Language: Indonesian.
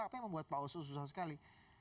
apa yang membuat pak oso susah sekali